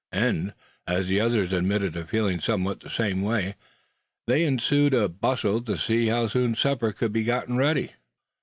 And as the others admitted to feeling somewhat the same way, there ensued a bustle to see how soon supper could be gotten ready.